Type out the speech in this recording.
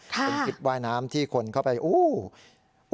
เป็นคลิปว่ายน้ำที่คนเข้าไปอู้